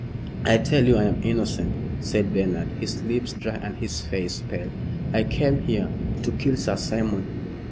"I tell you I am innocent," said Bernard, his lips dry and his face pale. "I came here " "To kill Sir Simon.